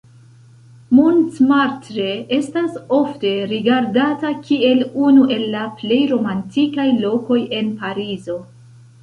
Montmartre estas ofte rigardata kiel unu el la plej romantikaj lokoj en Parizo.